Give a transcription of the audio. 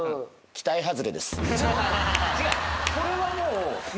これはもう。